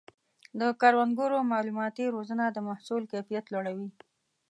د کروندګرو مالوماتي روزنه د محصول کیفیت لوړوي.